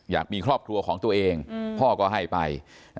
อยากมีครอบครัวของตัวเองพ่อก็ให้ไป